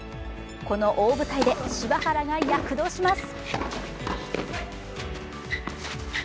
この大舞台で柴原が躍動します。